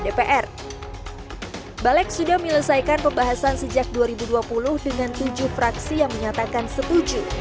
dpr balik sudah menyelesaikan pembahasan sejak dua ribu dua puluh dengan tujuh fraksi yang menyatakan setuju